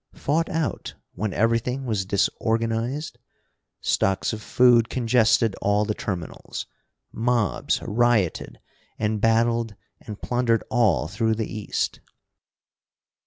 Fought out, when everything was disorganized? Stocks of food congested all the terminals, mobs rioted and battled and plundered all through the east.